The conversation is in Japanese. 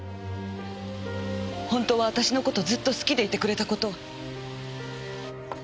本当は私の事ずっと好きでいてくれた事を。